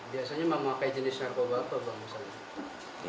biasanya bang memakai jenis narkoba apa bang